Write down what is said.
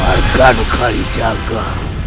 harga dukani jaga